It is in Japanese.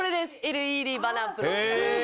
ＬＥＤバナーンプロ。